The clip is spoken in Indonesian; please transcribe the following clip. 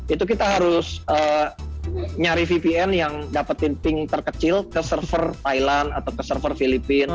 itu kita harus nyari vpn yang dapetin pink terkecil ke server thailand atau ke server filipina